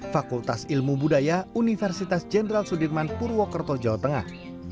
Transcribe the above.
fakultas ilmu budaya universitas jenderal sudirman purwokerto jawa tengah